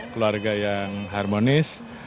keluarga yang harmonis